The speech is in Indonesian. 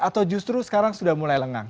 atau justru sekarang sudah mulai lengang